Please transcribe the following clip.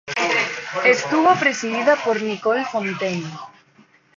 Estuvo presidida por Nicole Fontaine.